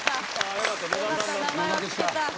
よかった名前は聞けた。